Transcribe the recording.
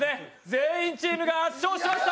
全員チームが圧勝しました。